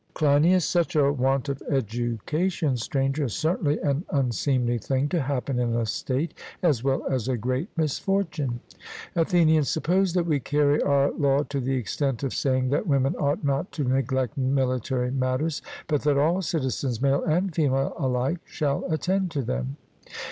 CLEINIAS: Such a want of education, Stranger, is certainly an unseemly thing to happen in a state, as well as a great misfortune. ATHENIAN: Suppose that we carry our law to the extent of saying that women ought not to neglect military matters, but that all citizens, male and female alike, shall attend to them?